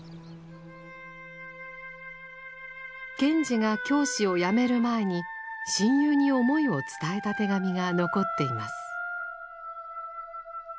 賢治が教師をやめる前に親友に思いを伝えた手紙が残っています。